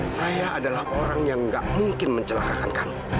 saya adalah orang yang gak mungkin mencelakakan kamu